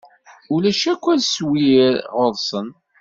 Ulac akk aswir ɣer-sen.